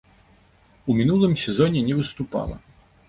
У мінулым сезоне не выступала.